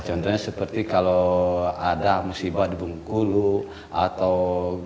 contohnya seperti kalau ada musibah di bung kulu atau bencana